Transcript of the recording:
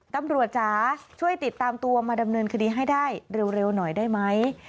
จ๋าช่วยติดตามตัวมาดำเนินคดีให้ได้เร็วหน่อยได้ไหม